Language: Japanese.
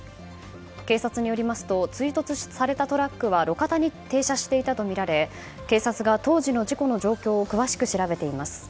警察によりますと追突されたトラックは路肩に停車していたとみられ警察が当時の事故の状況を詳しく調べています。